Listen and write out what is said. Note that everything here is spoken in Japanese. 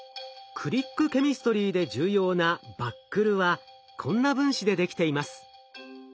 クリックケミストリーで重要なバックルはこんな分子でできています。